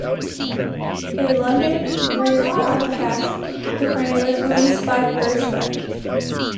A London revival cast recording was released by First Night.